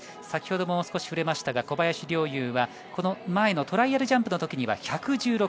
先ほども少し触れましたが、小林陵侑はこの前のトライアルジャンプの時には１１６ｍ。